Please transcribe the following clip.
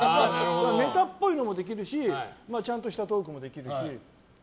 ネタっぽいのもできるしちゃんとしたトークもできるし。